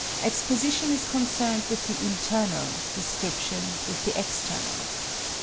Exposition is concerned with the internal, description with the external.